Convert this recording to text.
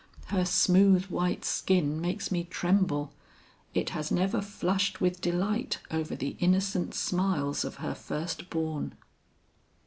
Her smooth white skin makes me tremble; it has never flushed with delight over the innocent smiles of her firstborn."